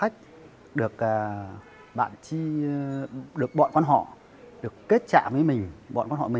chơi quan họ nó say đắm